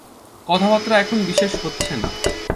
কথাবার্তা এখন বিশেষ হচ্ছে না।